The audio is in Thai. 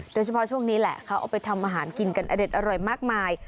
ช่วงนี้แหละเขาเอาไปทำอาหารกินกันอเด็ดอร่อยมากมาย